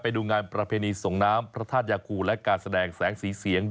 ไปดูงานประเพณีส่งน้ำพระธาตุยาคูและการแสดงแสงสีเสียง